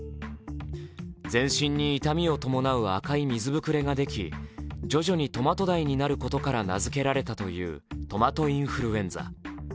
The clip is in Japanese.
全身に痛みを伴う赤い水膨れができ徐々にトマト大になることから名付けられたというトマトインフルエンザ。